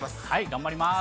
頑張ります。